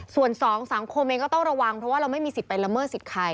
ส่วนสองสังคมเองก็ต้องระวังเพราะว่าเราไม่มีสิทธิ์ไปละเมิดสิทธิ์ใคร